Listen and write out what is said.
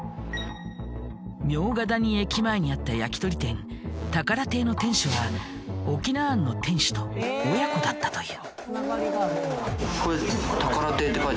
茗荷谷駅前にあった焼き鳥店宝亭の店主は翁庵の店主と親子だったという。